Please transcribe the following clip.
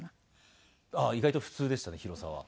意外と普通でしたね広さは。